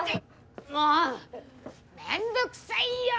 もう面倒くさいよ！